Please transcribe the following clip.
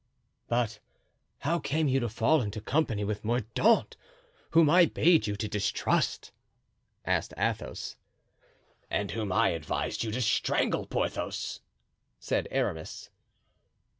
"But how came you to fall into company with Mordaunt, whom I bade you distrust?" asked Athos. "And whom I advised you to strangle, Porthos," said Aramis.